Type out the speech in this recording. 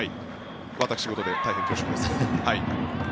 私事で大変恐縮です。